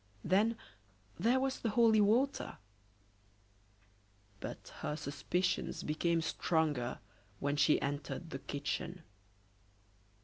Then, there was the holy water! But her suspicions became stronger when she entered the kitchen.